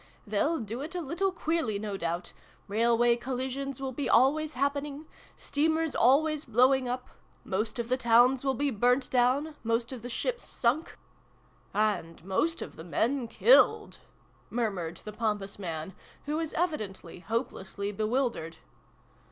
They '11 do it a little queerly, no doubt. Railway collisions will be always happening : steamers always blowing up : most of the towns will be burnt down : most of the ships sunk IX] THE FAREWELL PARTY. 133 "And most of the men. killed!" murmured the pompous man, who was evidently hopelessly bewildered.